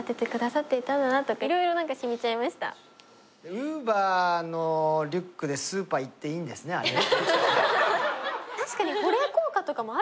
ウーバーのリュックでスーパー行っていいんですねあれね。